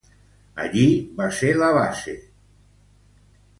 Allí va ser la base de Los Cinco Latinos.